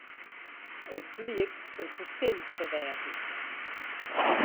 It bliek in fersin te wêzen.